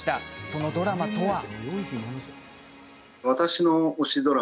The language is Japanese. そのドラマとは。